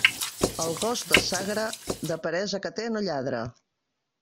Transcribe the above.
El gos de Sagra, de peresa que té, no lladra.